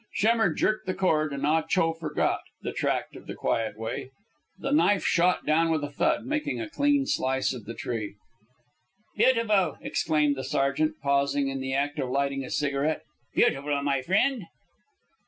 Schemmer jerked the cord, and Ah Cho forgot "The Tract of the Quiet Way." The knife shot down with a thud, making a clean slice of the tree. "Beautiful!" exclaimed the sergeant, pausing in the act of lighting a cigarette. "Beautiful, my friend."